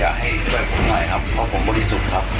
อยากให้ช่วยผมหน่อยครับ